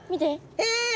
え！？